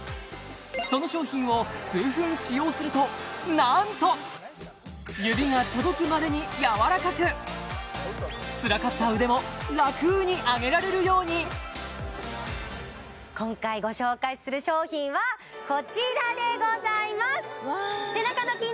その商品を数分使用するとなんと指が届くまでにやわらかくつらかった腕もラクに上げられるように今回ご紹介する商品はこちらでございます！